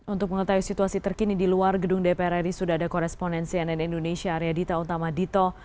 untuk mengetahui situasi terkini di luar gedung dpr ri sudah ada koresponen cnn indonesia arya dita utama dito